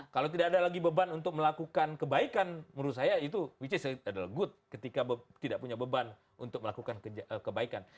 kalau tidak ada lagi beban untuk melakukan kebaikan menurut saya itu which is it adalah good ketika tidak punya beban untuk melakukan kebaikan